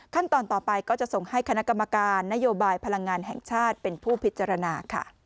ขั้นตอนต่อไปก็จะส่งให้คณะกรรมการนโยบายพลังงานแห่งชาติเป็นผู้พิจารณา